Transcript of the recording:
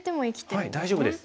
はい大丈夫です。